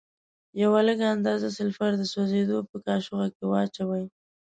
یوه لږه اندازه سلفر د سوځیدو په قاشوغه کې واچوئ.